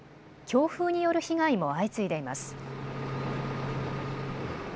強風による被害も相次いでいます。